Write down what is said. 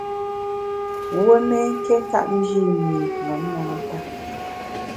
Wuo mé nké ntap nji i mi ṅom na nta.